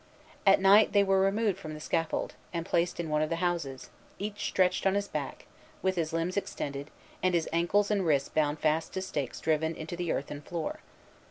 At night, they were removed from the scaffold, and placed in one of the houses, each stretched on his back, with his limbs extended, and his ankles and wrists bound fast to stakes driven into the earthen floor.